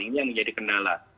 ini yang menjadi kendala